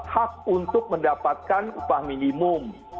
hak untuk mendapatkan upah minimum